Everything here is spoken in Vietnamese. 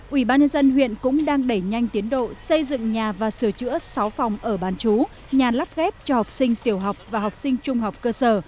ubnd huyện cũng đang đẩy nhanh tiến độ xây dựng nhà và sửa chữa sáu phòng ở bán chú nhà lắp ghép cho học sinh tiểu học và học sinh trung học cơ sở